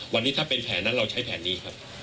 วันนี้ถ้าเป็นแผนนั้นเราใช้แผนนี้ครับ